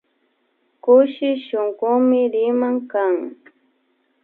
Kushi shunkumi rimana kan